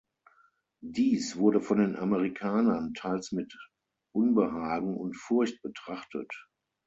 Dies wurde von den Amerikanern teils mit Unbehagen und Furcht betrachtet.